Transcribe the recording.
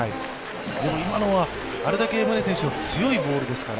今のはあれだけ宗選手の強いボールですから